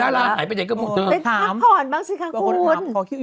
ดาราหายไปหน่อยก็หมดเด้นขาบผ่อนบ้างสิคะคุณ